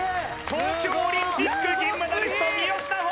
東京オリンピック銀メダリスト三好南穂